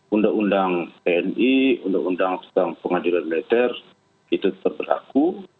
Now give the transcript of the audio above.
undang undang tni undang undang tentang pengadilan militer itu tetap berlaku